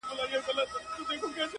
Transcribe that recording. o زوی له ډېره کیبره و ویله پلار ته,